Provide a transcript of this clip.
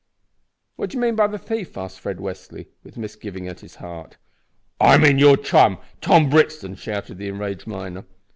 "What do you mean by the thief?" asked Fred Westly, with misgiving at his heart. "I mean your chum, Tom Brixton," shouted the enraged miner.